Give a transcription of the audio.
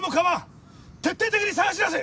徹底的に探し出せ！